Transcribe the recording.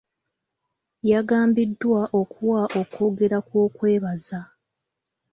Yagambiddwa okuwa okwogera kw'okwebaza.